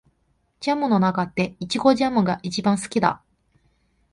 ジャムの中でイチゴジャムが一番好きだ